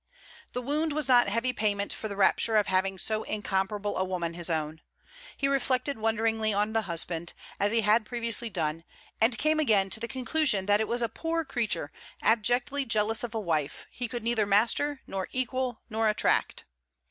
The wound was not heavy payment for the rapture of having so incomparable a woman his own. He reflected wonderingly on the husband, as he had previously done, and came again to the conclusion that it was a poor creature, abjectly jealous of a wife, he could neither master, nor equal, nor attract.